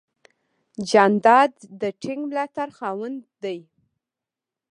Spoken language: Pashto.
جانداد د ټینګ ملاتړ خاوند دی.